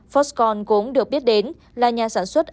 foxconn cũng được biết đến là nhà sản xuất